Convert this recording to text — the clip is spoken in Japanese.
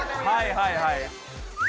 はいはいはい。